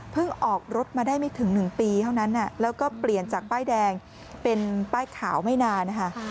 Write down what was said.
ออกรถมาได้ไม่ถึง๑ปีเท่านั้นแล้วก็เปลี่ยนจากป้ายแดงเป็นป้ายขาวไม่นานนะคะ